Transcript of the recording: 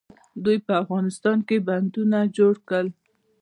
دوی په افغانستان کې بندونه جوړ کړل.